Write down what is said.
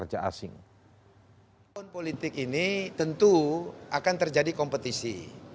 tahun politik ini tentu akan terjadi kompetisi